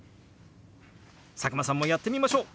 佐久間さんもやってみましょう！